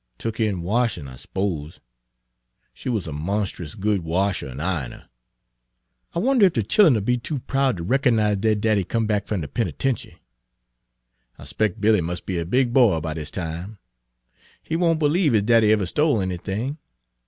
Tuck in washin', I s'ppose, she was a monst'us good washer an' ironer. I wonder ef de chillun 'll be too proud ter recognize deir daddy come back f'um de penetenchy? I 'spec' Billy must be a big boy by dis time. He won' b'lieve his daddy ever stole anything.